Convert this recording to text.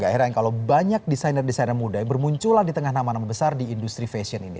gak heran kalau banyak desainer desainer muda yang bermunculan di tengah nama nama besar di industri fashion ini